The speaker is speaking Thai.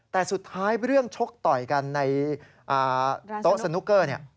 แต่สุดท้ายเรื่องชกต่อยกันในโต๊ะสนุกเกอร์เนี่ย